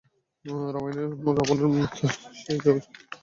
রামায়ণের রাবণের মতই, সে-ও চায় আমি সোনার হরিণের পিছু নিই।